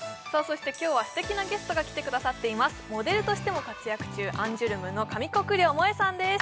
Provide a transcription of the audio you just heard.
そして今日はすてきなゲストが来てくださっていますモデルとしても活躍中アンジュルムの上國料萌衣さんです